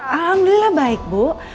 alhamdulilah baik bu